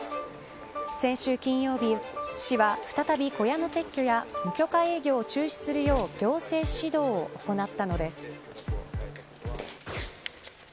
先週金曜日市は再び小屋の撤去や無許可営業を中止するよう行政指導を行ったのです。